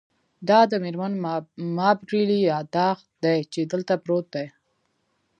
دا د میرمن مابرلي یادښت دی چې دلته پروت دی